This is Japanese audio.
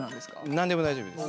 何でも大丈夫です。